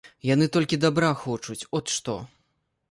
Яны толькі дабра хочуць, от што.